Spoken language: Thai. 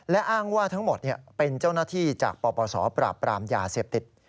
และอ้างว่าทั้งหมดเป็นเจ้าหน้าที่จากปปศปราบปรามยาเสพติด